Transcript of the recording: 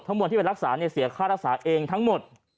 ทั้งหมดที่ไปรักษาเสียค่ารักษาเองทั้งหมด